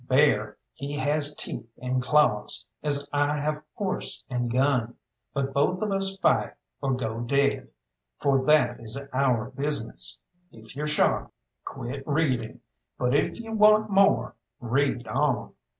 Bear, he has teeth and claws, as I have horse and gun; but both of us fight or go dead, for that is our business. If you're shocked, quit reading; but if you want more, read on.